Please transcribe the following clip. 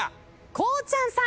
こうちゃんさん！